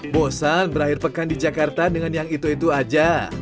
bosan berakhir pekan di jakarta dengan yang itu itu aja